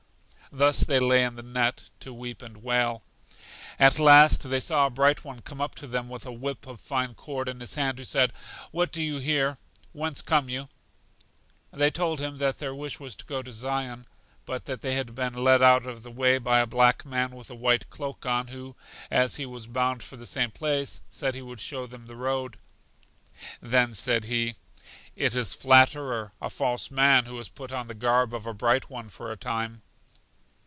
Thus they lay in the net to weep and wail. At last they saw a Bright One come up to them with a whip of fine cord in his hand, who said: What do you here? Whence come you? They told him that their wish was to go to Zion, but that they had been led out of the way by a black man with a white cloak on, who, as he was bound for the same place, said he would show them the road. Then said he: It is Flatterer, a false man, who has put on the garb of a Bright One for a time.